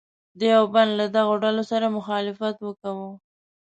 دیوبند له دغو ډلو سره مخالفت وکاوه.